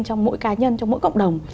trong mỗi ca nhân trong mỗi cộng đồng